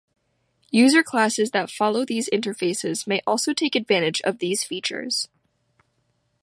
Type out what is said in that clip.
User classes that follow these interfaces may also take advantage of these features.